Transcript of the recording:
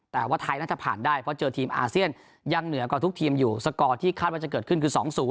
แต่ว่าไทยน่าจะผ่านได้เพราะเจอทีมอาเซียนยังเหนือกว่าทุกทีมอยู่สกอร์ที่คาดว่าจะเกิดขึ้นคือ๒๐